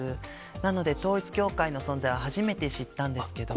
なので、統一教会の存在は初めて知ったんですけど。